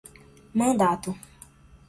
mandato